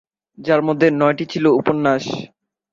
যার মধ্যে নয়টি ই ছিল উপন্যাস।